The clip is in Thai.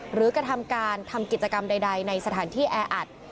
กระทำการทำกิจกรรมใดในสถานที่แออัด